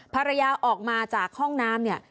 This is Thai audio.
ภรรยาออกมาจากห้องน้ำ